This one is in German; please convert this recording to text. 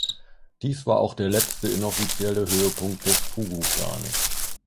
Dies war auch der letzte inoffizielle Höhepunkt des Fugu-Planes.